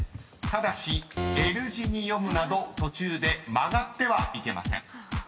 ［ただしＬ字に読むなど途中で曲がってはいけません］